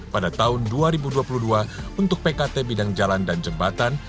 pada tahun dua ribu dua puluh dua untuk pkt bidang jalan dan jembatan